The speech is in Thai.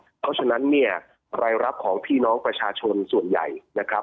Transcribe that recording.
เพราะฉะนั้นเนี่ยรายรับของพี่น้องประชาชนส่วนใหญ่นะครับ